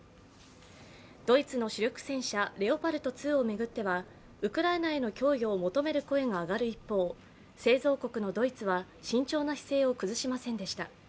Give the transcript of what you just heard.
ドイツの主力戦車、レオパルト２を巡っては、ウクライナへの供与を求める声が上がる一方、製造国のドイツは慎重な姿勢を崩しませんでした。